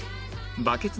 バケツね！